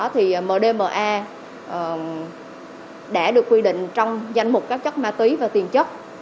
thì mdma đã được quy định trong danh mục các chất ma túy và tiền chất